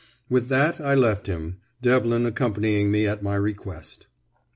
With that I left him, Devlin accompanying me at my request.